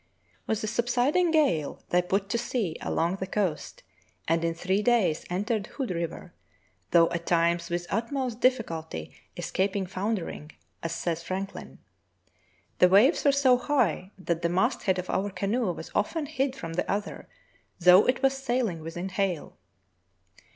With the subsiding gale they put to sea along the coast, and in three days entered Hood River, though at times with utmost difficulty escaping foundering, as sa3's Franklin: "The waves were so high that the mast head of our canoe was often hid from the other, though it was sailing within hail."